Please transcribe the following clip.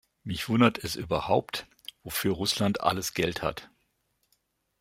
Mich wundert es überhaupt, wofür Russland alles Geld hat!